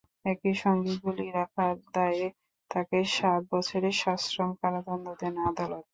একই সঙ্গে গুলি রাখার দায়ে তাঁকে সাত বছরের সশ্রম কারাদণ্ড দেন আদালত।